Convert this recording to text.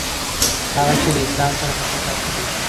هغه چې له اسلام سره په ټکر کې دي.